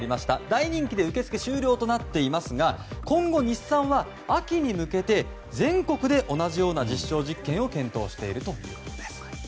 大人気で受付終了となっていますが今後、日産は秋に向けて全国で同じような実証実験を検討しているということです。